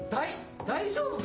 大丈夫か？